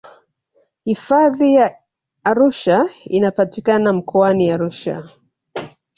hifadhi ya arusha inapatikana mkoani arusha